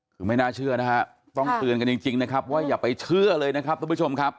คือไม่น่าเชื่อนะฮะต้องเตือนกันจริงนะครับว่าอย่าไปเชื่อเลยนะครับทุกผู้ชมครับ